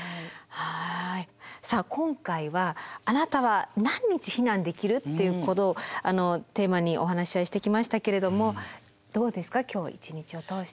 さあ今回は「あなたは何日避難できる？」っていうことをテーマにお話し合いしてきましたけれどもどうですか今日一日を通して。